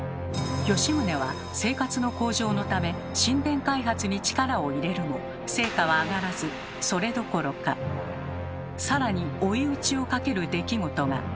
吉宗は生活の向上のため新田開発に力を入れるも成果は上がらずそれどころか更に追い打ちをかける出来事が。